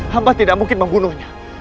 hamba tidak mungkin membunuhnya